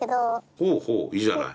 ほうほういいじゃない。